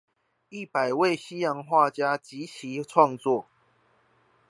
一百位西洋畫家及其創作